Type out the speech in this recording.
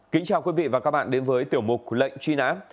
kính chào quý vị và các bạn đến với tiểu mục lệnh truy nã